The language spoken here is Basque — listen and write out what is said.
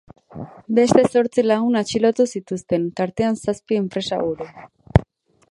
Beste zortzi lagun atxilotu zituzten, tartean zazpi enpresaburu.